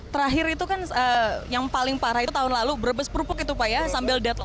terakhir itu kan yang paling parah itu tahun lalu brebes perupuk itu pak ya sambil deadlock